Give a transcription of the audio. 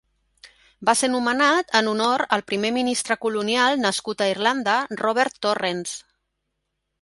Va ser nomenat en honor al primer ministre colonial nascut a Irlanda Robert Torrens.